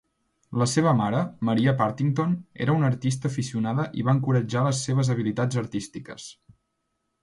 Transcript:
La seva mare, Maria Partington, era una artista aficionada i va encoratjar les seves habilitats artístiques.